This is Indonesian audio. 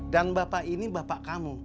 dan bapak ini bapak kamu